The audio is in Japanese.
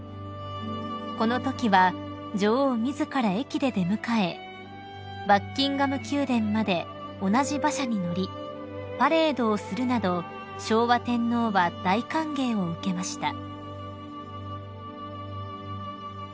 ［このときは女王自ら駅で出迎えバッキンガム宮殿まで同じ馬車に乗りパレードをするなど昭和天皇は大歓迎を受けました］